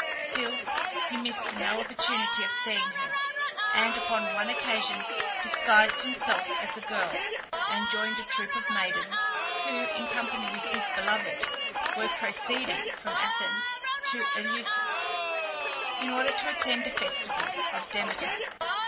Still he missed no opportunity of seeing her, and, upon one occasion, disguised himself as a girl, and joined a troop of maidens, who, in company with his beloved, were proceeding from Athens to Eleusis, in order to attend a festival of Demeter.